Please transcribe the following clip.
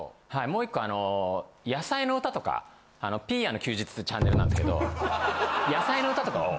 もう１個あの野菜の歌とかピーヤの休日チャンネルなんですけど野菜の歌とかを。